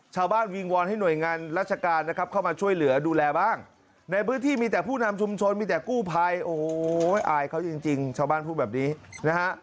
วิงวอนให้หน่วยงานราชการนะครับเข้ามาช่วยเหลือดูแลบ้างในพื้นที่มีแต่ผู้นำชุมชนมีแต่กู้ภัยโอ้โหอายเขาจริงชาวบ้านพูดแบบนี้นะฮะ